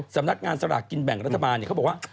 สำนักงานสลากกินแบ่งรัฐบาลเขาบอกว่า